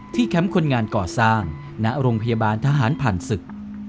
แคมป์คนงานก่อสร้างณโรงพยาบาลทหารผ่านศึก